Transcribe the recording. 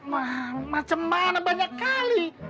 mah macam mana banyak kali